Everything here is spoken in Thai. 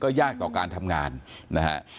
ยากต่อการทำงานนะฮะ